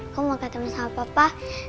kamu mau ketemu sama papa